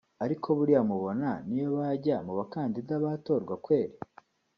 ariko buriya mubona niyobajya mubakandida batorwa kweri